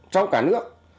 trong cả nước